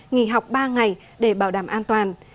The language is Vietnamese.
nghỉ học ba ngày để bảo đảm an toàn